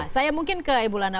saya mungkin ke ibu lana